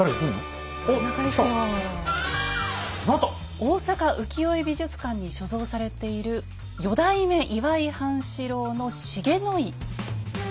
大阪浮世絵美術館に所蔵されている「四代目岩井半四郎の重の井」。